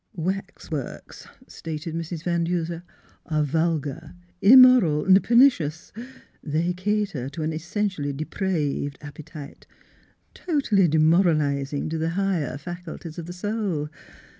'^ Wax works," stated Mrs. Van Duser, " are vulgar, immoral, pernicious. They cater to an essentially depraved appetite, totally demoraliz ing to the higher faculties of the soul.